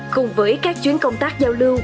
cùng với các chuyến công tác giao lưu